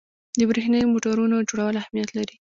د برېښنايي موټورونو جوړول اهمیت لري.